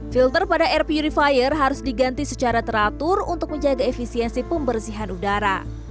filter pada air purifier harus diganti secara teratur untuk menjaga efisiensi pembersihan udara